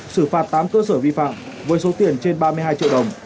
xử phạt tám cơ sở vi phạm với số tiền trên ba mươi hai triệu đồng